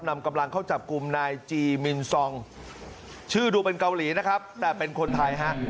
นำกำลังเข้าจับกลุ่มนายจีมินซองชื่อดูเป็นเกาหลีนะครับแต่เป็นคนไทยฮะ